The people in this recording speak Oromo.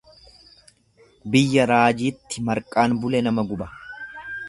Biyya raajiitti marqaan bule nama guba.